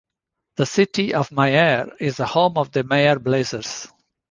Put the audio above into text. The city of Mayer is the Home of the Mayer Blazers.